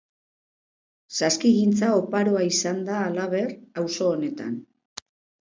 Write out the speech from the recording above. Saskigintza oparoa izan da, halaber, auzo honetan.